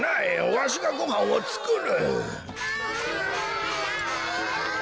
わしがごはんをつくる。